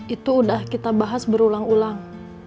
itu sudah kita bahas berulang ulang